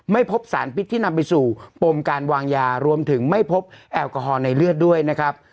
ไม่พบสารพิษที่นำไปสู่ปมการวางยารวมถึงไม่พบแอลกอฮอลในเลือดด้วยนะครับ